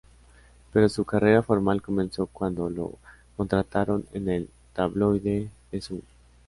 Pero su carrera formal comenzó cuando lo contrataron en el tabloide "The Sun".